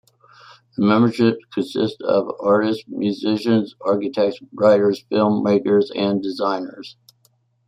The membership consists of artists, musicians, architects, writers, film makers and designers.